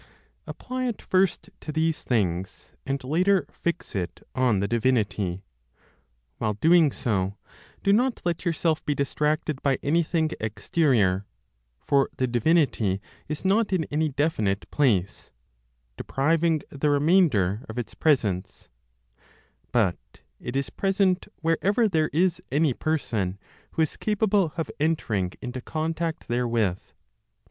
Apply it first to these things, and later fix it on the divinity. While doing so, do not let yourself be distracted by anything exterior for the divinity is not in any definite place, depriving the remainder of its presence, but it is present wherever there is any person who is capable of entering into contact therewith.